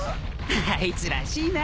あいつらしいな。